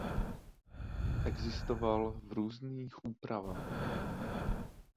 Existoval v různých úpravách.